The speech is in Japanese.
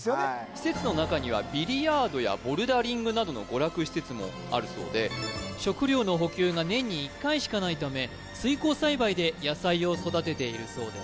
施設の中にはビリヤードやボルダリングなどの娯楽施設もあるそうで食料の補給が年に１回しかないため水耕栽培で野菜を育てているそうです